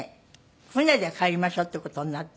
船で帰りましょうって事になって。